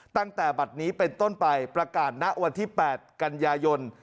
ตั้งแต่บัตรนี้เป็นต้นไปประกาศณวันที่๘กันยายน